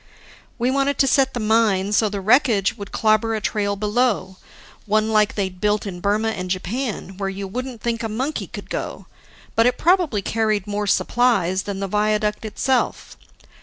We wanted to set the mine so the wreckage would clobber a trail below, one like they'd built in Burma and Japan, where you wouldn't think a monkey could go; but it probably carried more supplies than the viaduct itself.